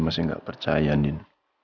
masih gak percaya ndin